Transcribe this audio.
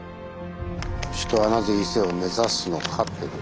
「人はなぜ伊勢を目指すのか」という。